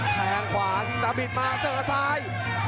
ขยับแทงขวานแต่บิดมาเจอทราย